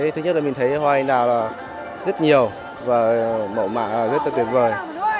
thứ nhất là mình thấy hoa anh đào rất nhiều và mẫu mạng rất là tuyệt vời